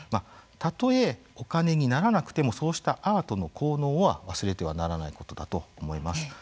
たとえ、お金にならなくてもそうしたアートの効能は忘れてはならないことだと思います。